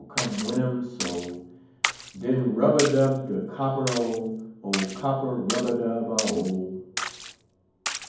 come Winum so! Den rub a dub de copper, oh! Oh! copper rub a dub a oh!"